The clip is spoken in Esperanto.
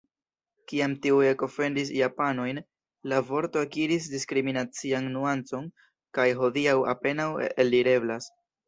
Kiam tiuj ekofendis japanojn, la vorto akiris diskriminacian nuancon kaj hodiaŭ apenaŭ eldireblas.